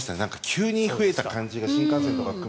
急に増えた感じが。